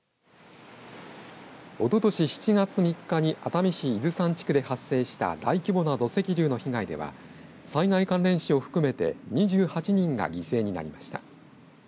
おととし７月３日に熱海市伊豆山地区で発生した大規模な土石流の被害では災害関連死を含めて２８人が犠牲になりました。